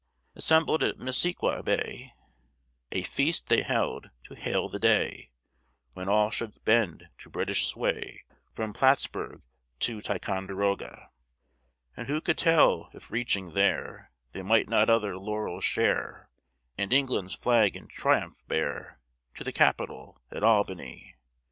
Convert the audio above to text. Assembled at Missisqui bay A feast they held, to hail the day, When all should bend to British sway From Plattsburgh to Ticonderogue. And who could tell, if reaching there They might not other laurels share And England's flag in triumph bear To the capitol, at Albany!